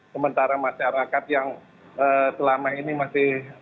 sementara masyarakat yang selama ini masih